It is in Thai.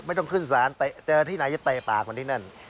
ต้องขึ้นศาลเจอที่ไหนจะเตะปากมันที่นั่น